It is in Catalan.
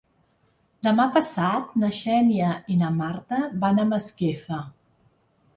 Demà passat na Xènia i na Marta van a Masquefa.